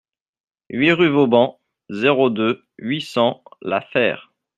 huit rue Vauban, zéro deux, huit cents, La Fère